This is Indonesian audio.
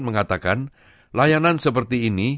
mengatakan layanan seperti ini